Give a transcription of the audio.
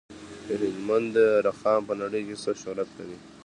د هلمند رخام په نړۍ کې څه شهرت لري؟